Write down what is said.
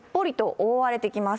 覆われてきます。